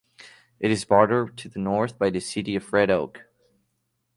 It is bordered to the north by the city of Red Oak.